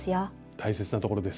大切なところです。